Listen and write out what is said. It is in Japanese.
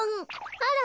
あら。